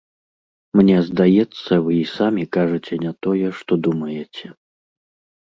Мне здаецца, вы і самі кажаце не тое, што думаеце.